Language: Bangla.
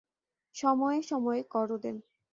সময়ে সময়ে করও দেন।